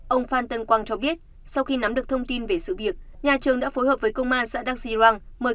ông phan tân quang cho biết sau khi nắm được thông tin về sự việc nhà trường đã phối hợp với công an xã đắc xi răng